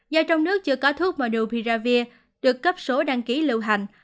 do trong nước chưa có thuốc menupiravir được cấp số đăng ký lưu hành